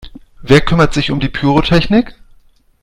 Wer kümmert sich um die Pyrotechnik?